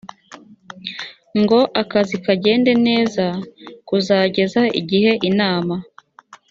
ngo akazi kagende neza kuzageza igihe inama